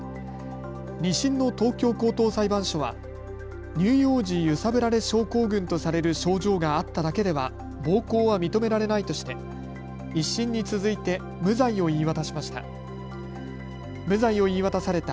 ２審の東京高等裁判所は乳幼児揺さぶられ症候群とされる症状があっただけでは暴行は認められないとして１審に続いて無罪を言い渡しました。